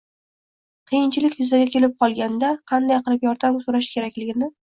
Kiyinchilik yuzaga kelib qolganida qanday qilib yordam so‘rash kerakligini